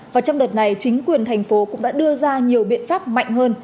và trong đợt này chính quyền thành phố cũng đã đưa ra nhiều biện pháp mạnh hơn